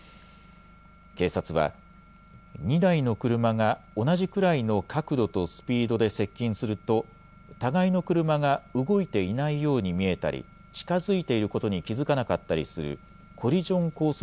警察は、２台の車が同じくらいの角度とスピードで接近すると、互いの車が動いていないように見えたり、近づいていることに気付かなかったりするコリジョンコース